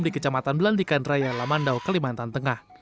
di kecamatan belantikan raya lamandau kalimantan tengah